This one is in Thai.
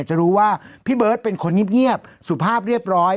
จะรู้ว่าพี่เบิร์ตเป็นคนเงียบสุภาพเรียบร้อย